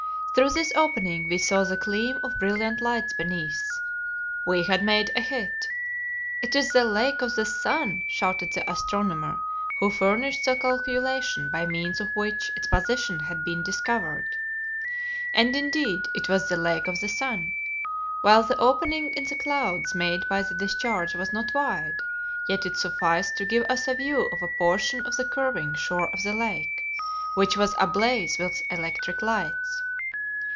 Through this opening we saw the gleam of brilliant lights beneath. We had made a hit. "It is the Lake of the Sun!" shouted the astronomer who furnished the calculation by means of which its position had been discovered. And, indeed, it was the Lake of the Sun. While the opening in the clouds made by the discharge was not wide, yet it sufficed to give us a view of a portion of the curving shore of the lake, which was ablaze with electric lights.